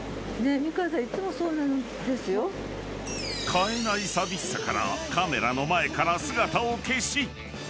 ［買えない寂しさからカメラの前から姿を消し］